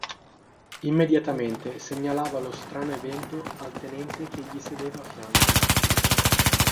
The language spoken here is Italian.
Immediatamente segnalava lo strano evento al tenente che gli sedeva a fianco.